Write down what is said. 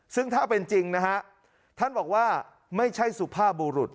ซึ่งถ้าเป็นจริงนะฮะท่านบอกว่าไม่ใช่สุภาพบุรุษ